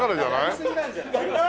やりすぎなんじゃない？